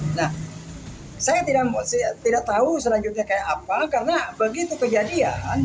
nah saya tidak tahu selanjutnya kayak apa karena begitu kejadian